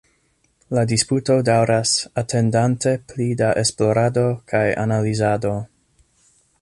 La disputo daŭras, atendante pli da esplorado kaj analizado.